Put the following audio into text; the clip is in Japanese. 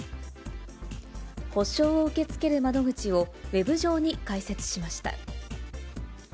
補償を受け付ける窓口をウェブ上に開設しました。